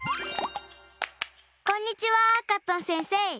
こんにちはカットンせんせい。